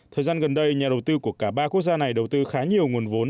thời gian gần đây nhà đầu tư của cả ba quốc gia này đầu tư khá nhiều nguồn vốn